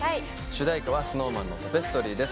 主題歌はＳｎｏｗＭａｎの「タペストリー」です